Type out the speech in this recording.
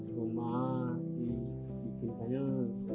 rumah diberi penyel